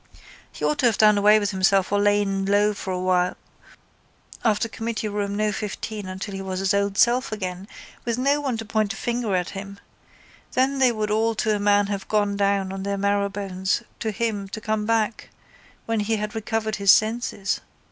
He ought to have done away with himself or lain low for a time after committee room no 15 until he was his old self again with no one to point a finger at him. Then they would all to a man have gone down on their marrowbones to him to come back when he had recovered his senses.